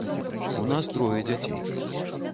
У нас трое дзяцей.